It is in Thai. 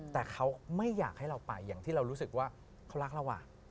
แต่เขาไม่อยากให้เราไปอย่างที่เรารู้สึกว่าเขารักเรา